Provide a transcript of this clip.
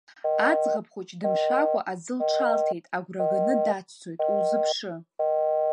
Аӡӷаб хәыҷ дымшәакәа аӡы лҽалҭеит, агәра ганы даццоит, улзыԥшы!